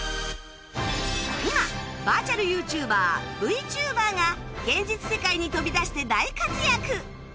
今 ＶｉｒｔｕａｌＹｏｕＴｕｂｅｒＶＴｕｂｅｒ が現実世界に飛び出して大活躍